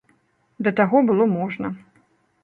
Да таго было можна.